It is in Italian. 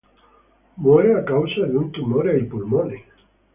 Muore a causa di un tumore ai polmoni.